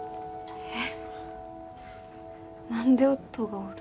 えっ？